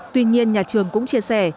tuy nhiên nhà trường cũng chia sẻ